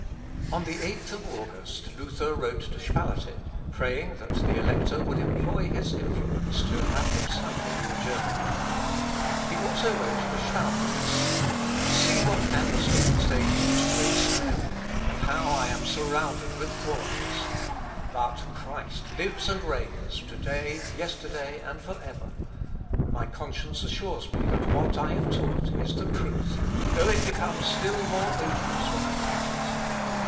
On the 8th of August Luther wrote to Spalatin, praying that the Elector would employ his influence to have him cited in Germany. He also wrote to Staupitz, "See what ambuscades they use to ensnare me, and how I am surrounded with thorns. But Christ lives and reigns, to day, yesterday, and for ever. My conscience assures me that what I have taught is the truth, though it becomes still more odious when I teach it.